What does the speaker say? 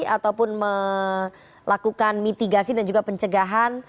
ataupun melakukan mitigasi dan juga pencegahan